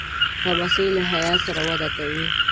لمسی له حیا سره وده کوي.